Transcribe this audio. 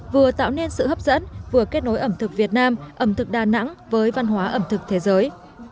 vừa tạo nên sự hấp dẫn vừa kết nối ẩm thực việt nam ẩm thực đà nẵng với văn hóa ẩm thực thế giới